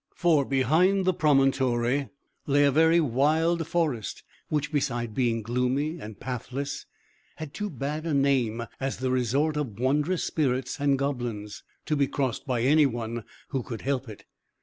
For behind the promontory lay a very wild forest, which, beside being gloomy and pathless, had too bad a name as the resort of wondrous spirits and goblins, to be crossed by anyone who could help it.